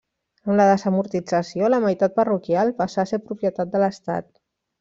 Amb la desamortització, la meitat parroquial passà a ser propietat de l'Estat.